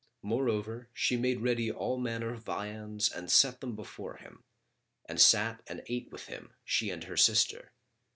Moreover, she made ready all manner viands[FN#37] and set them before him, and sat and ate with him, she and her sister.